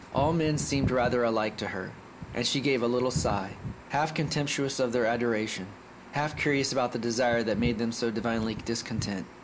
All men seemed rather alike to her, and she gave a little sigh, half contemptuous of their adoration, half curious about the desire that made them so divinely discontent.